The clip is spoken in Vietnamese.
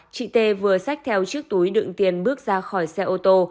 chị tê vừa sách theo chiếc túi đựng tiền bước ra khỏi xe ô tô